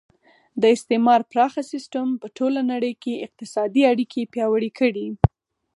د استعمار پراخه سیسټم په ټوله نړۍ کې اقتصادي اړیکې پیاوړې کړې